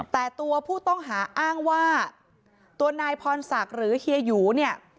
แต่ตัวผู้ต้องหาอ้างว่าตัวนายพรศักดิ์หรือเฮียหยูเนี่ย